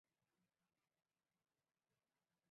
德布罗意关系式将普朗克关系式推广至物质波。